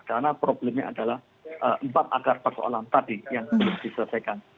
karena problemnya adalah empat akar persoalan tadi yang belum diselesaikan